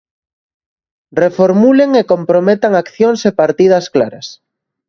Reformulen e comprometan accións e partidas claras.